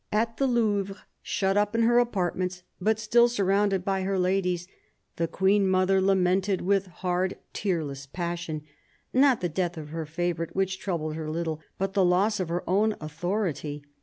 At the Louvre, shut up in her apartments, but still surrounded by her ladies, the Queen mother lamented with hard, tearless passion — not the death of her favourite, which troubled her little, but the loss of her own authority.